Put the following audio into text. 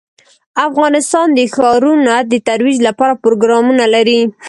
افغانستان د ښارونه د ترویج لپاره پروګرامونه لري.